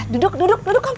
duduk duduk duduk kom